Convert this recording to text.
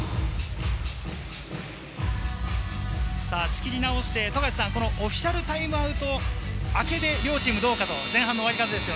仕切り直してオフィシャルタイムアウト明けで両チームどうかと。